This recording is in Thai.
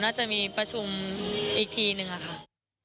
น่าจะมีประชุมอีกทีนึงอะค่ะ